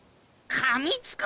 かみつく！？